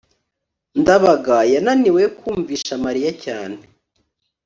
ndabaga yananiwe kumvisha mariya cyane